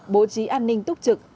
bố trí an ninh túc trực